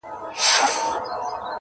چاته که سکاره یمه اېرې یمه-